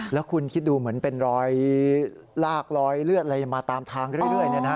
แล้วคุณคิดดูเหมือนเป็นรอยลากรอยเลือดอะไรมาตามทางเรื่อย